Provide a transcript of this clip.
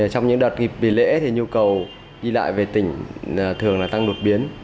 trong những đợt nghịp lễ thì nhu cầu đi lại về tỉnh thường là tăng đột biến